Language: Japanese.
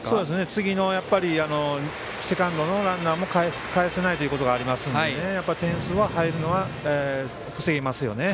次のセカンドのランナーもかえせないということがありますので、点数が入るのは防げますよね。